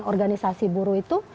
organisasi buru itu